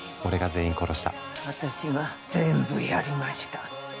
私が全部やりました。